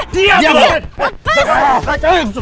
diam lu lepas